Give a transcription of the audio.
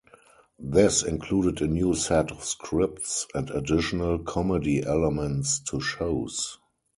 This included a new set of scripts and additional comedy elements to shows.